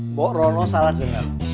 mbok rono salah denger